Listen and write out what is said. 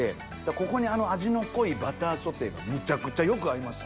ここに味の濃いバターソテーがめちゃくちゃよく合いますね。